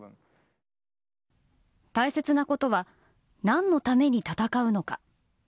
大切なことは何のために戦うのか。